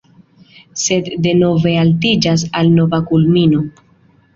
Sed denove altiĝas al nova kulmino.